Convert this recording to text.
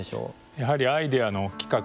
やはりアイデアの企画の段階